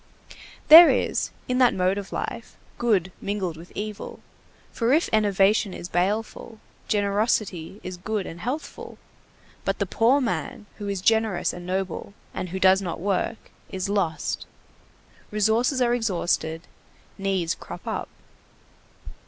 There is, in that mode of life, good mingled with evil, for if enervation is baleful, generosity is good and healthful. But the poor man who is generous and noble, and who does not work, is lost. Resources are exhausted, needs crop up.